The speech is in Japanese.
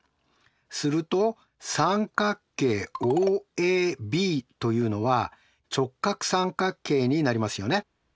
すると三角形ＯＡＢというのは直角三角形になりますよね。